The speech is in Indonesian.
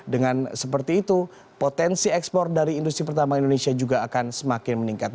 dengan seperti itu potensi ekspor dari industri pertambangan indonesia juga akan semakin meningkat